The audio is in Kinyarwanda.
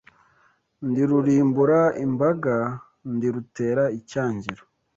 Ndi Rurimbura imbaga ndi rutera icyangiro